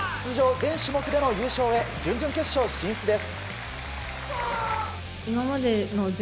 全種目での優勝へ準々決勝進出です。